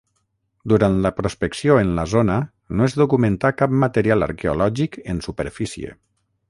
Durant la prospecció en la zona no es documentà cap material arqueològic en superfície.